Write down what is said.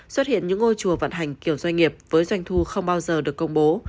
xuất hiện những ngôi chùa vận hành kiểu doanh nghiệp với doanh thu không bao giờ được công bố